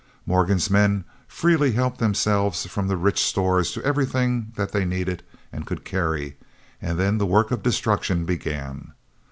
Morgan's men freely helped themselves from the rich stores to everything that they needed and could carry, and then the work of destruction began.